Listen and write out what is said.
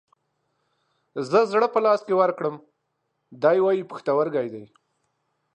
زه زړه په لاس کې ورکړم ، دى واي پښتورگى دى.